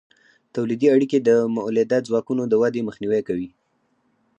تولیدي اړیکې د مؤلده ځواکونو د ودې مخنیوی کوي.